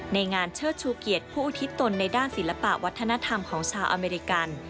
ในงานเชิดชูเกียรติผู้อุทิศตนในด้านศิลปะวัฒนธรรมของชาวอเมริกัน